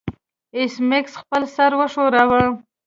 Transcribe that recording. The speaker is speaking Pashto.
ایس میکس خپل سر وښوراوه